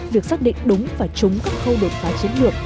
việc xác định đúng và trúng các khâu đột phá chiến lược